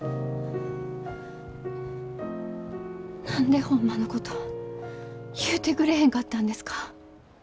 何でホンマのこと言うてくれへんかったんですか？